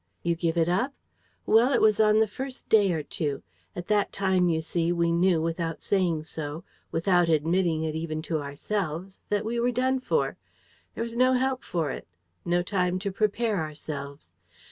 You give it up? Well, it was on the first day or two. At that time, you see, we knew, without saying so, without admitting it even to ourselves, that we were done for. There was no help for it. No time to prepare ourselves.